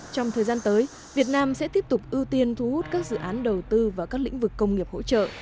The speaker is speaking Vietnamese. trong thời gian tới việt nam sẽ tiếp tục ưu tiên thu hút các dự án đầu tư vào các lĩnh vực công nghiệp hỗ trợ